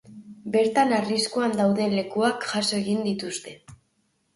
Bertan arriskuan dauden lekuak jaso egin dituzte.